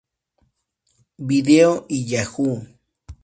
Video y Yahoo!